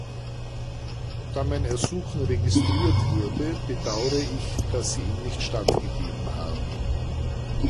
Da mein Ersuchen registriert wurde, bedaure ich, dass Sie ihm nicht stattgegeben haben.